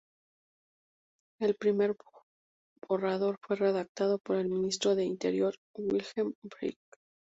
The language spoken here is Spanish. El primer borrador fue redactado por el Ministro del Interior: Wilhelm Frick.